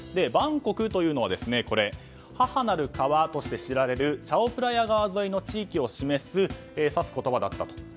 バンコクというのは母なる川として知られるチャオプラヤ川沿いの地域を指す言葉だったと。